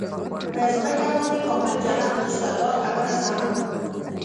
په ځمکه باندې کامل جنت نشته دا خبره سمه ده.